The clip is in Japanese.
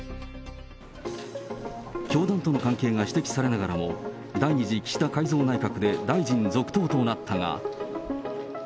教団との関係が指摘されながらも、第２次岸田改造内閣で大臣続投となったが。